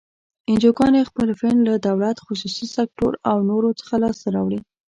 انجوګانې خپل فنډ له دولت، خصوصي سکتور او نورو څخه لاس ته راوړي.